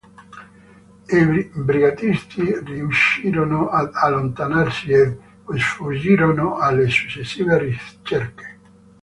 I brigatisti riuscirono ad allontanarsi e sfuggirono alle successive ricerche.